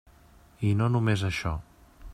I no només això.